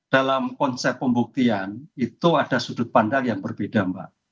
dalam konsep pembuktian itu ada sudut pandang yang berbeda mbak